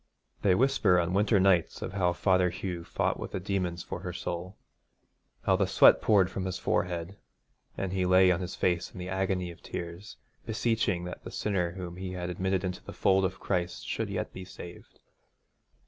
They whisper on winter nights of how Father Hugh fought with the demons for her soul, how the sweat poured from his forehead, and he lay on his face in an agony of tears, beseeching that the sinner whom he had admitted into the fold of Christ should yet be saved.